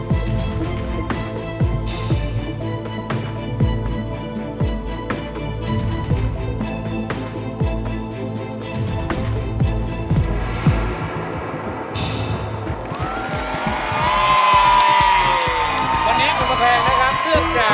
มีตั้งแต่แรกแล้วค่ะ